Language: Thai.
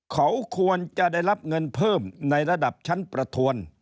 เขาควรจะได้รับเงินเพิ่มในระดับชั้นประทวน